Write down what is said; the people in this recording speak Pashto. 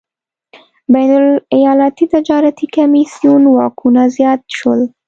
بین الایالتي تجارتي کمېسیون واکونه زیات شول.